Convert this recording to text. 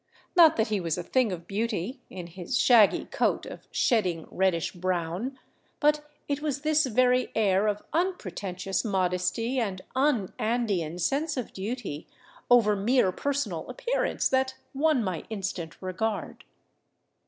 Not that he was a thing of beauty, in his shaggy coat of shedding reddish brown; but it was this very air of unpretentious modesty and unAndean sense of duty over mere personal appear ance that won my instant regard.